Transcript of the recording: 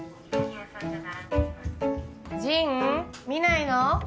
ジン見ないの？